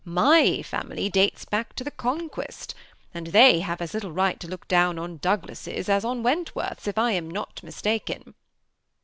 My family dates back to the Con quest ; and they have as litde right to look down on Douglases as on Wentworths, if I am not mistaken."